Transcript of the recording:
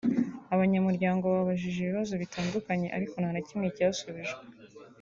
abanyamuryango babajije ibibazo bitandukanye ariko nta na kimwe cyasubijwe